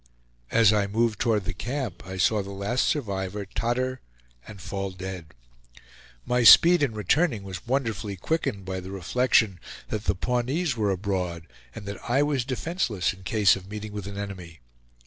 As I moved toward the camp I saw the last survivor totter and fall dead. My speed in returning was wonderfully quickened by the reflection that the Pawnees were abroad, and that I was defenseless in case of meeting with an enemy.